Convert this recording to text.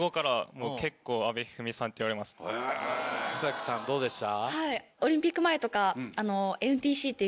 須さんどうでした？